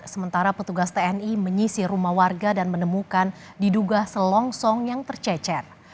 sementara petugas tni menyisi rumah warga dan menemukan diduga selongsong yang tercecer